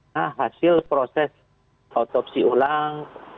nah hasil proses otopsi ulang